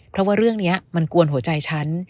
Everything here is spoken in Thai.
เพราะว่าเรื่องนี้มันกวนหัวใจฉัน